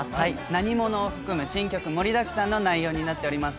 『なにもの』を含む新曲盛りだくさんの内容になってます。